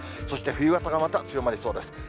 そして、冬型がまた強まりそうです。